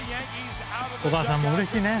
お母さんもうれしいね。